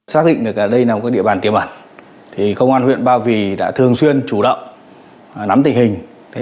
xác định được là đây là một địa bàn tiềm ẩn thì công an huyện bao vì đã thường xuyên chủ động nắm tình hình